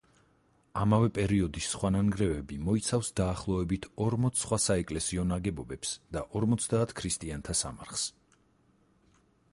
ამავე პერიოდის სხვა ნანგრევები მოიცავს დაახლოებით ორმოც სხვა საეკლესიო ნაგებობებს და ორმოცდაათ ქრისტიანთა სამარხს.